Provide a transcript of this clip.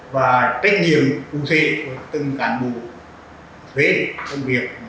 và trách nhiệm cụ thể của từng cán bộ thuế công việc